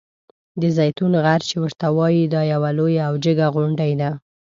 د زیتون غر چې ورته وایي دا یوه لویه او جګه غونډۍ ده.